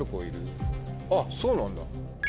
あっそうなんだ。